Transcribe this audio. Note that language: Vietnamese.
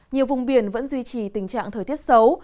nhiều vùng biển vẫn duy trì tình trạng thời tiết xấu